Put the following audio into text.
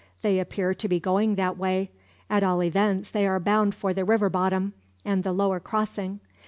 They appear to be going that way at all events they are bound for the river bottom, and the lower crossing.